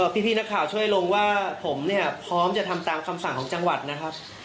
พี่นักข่าวช่วยลงว่าผมเนี่ยพร้อมจะทำตามคำสั่งของจังหวัดนะครับ